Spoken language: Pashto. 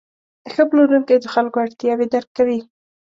ښه پلورونکی د خلکو اړتیاوې درک کوي.